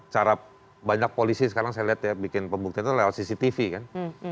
karena banyak polisi sekarang saya lihat ya bikin pembuktian lewat cctv kan